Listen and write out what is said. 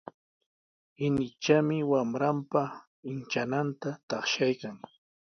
Inichami wamranpa inchananta taqshaykan.